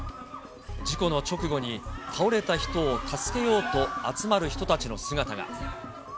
事故の直後に倒れた人を助けようと集まる人たちの姿が。